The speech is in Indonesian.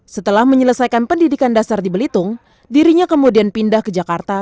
setelah menyelesaikan pendidikan dasar di belitung dirinya kemudian pindah ke jakarta